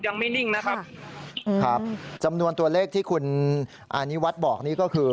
นิ่งนะครับครับจำนวนตัวเลขที่คุณอานิวัฒน์บอกนี่ก็คือ